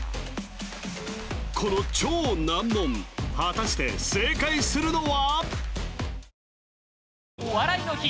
この超難問果たして正解するのは？